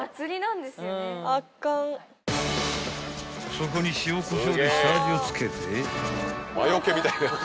［そこに塩こしょうで下味を付けて］